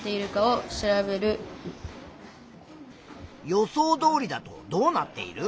予想どおりだとどうなっている？